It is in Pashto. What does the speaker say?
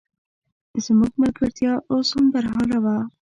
زموږ ملګرتیا اوس هم برحاله وه.